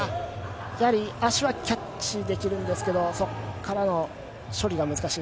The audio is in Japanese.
やはり足はキャッチできるんですけど、そこからの処理が難しい。